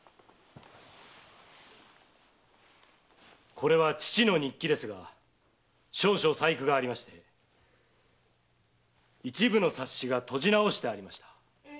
これは父の日記ですが少々細工がありまして一部の冊子が綴じ直してありました。